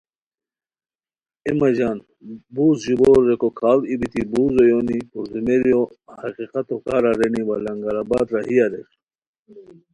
اے مہ ژان بوز ژیبور ریکو کھاڑ ای بیتی بوز اویونی پردومیریو حقیقتو کار ارینی وا لنگرآباد راہی اریر